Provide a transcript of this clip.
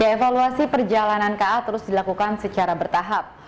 evaluasi perjalanan ka terus dilakukan secara bertahap